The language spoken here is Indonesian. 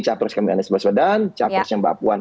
capres kamianda sebelas badan capres yang mbak puan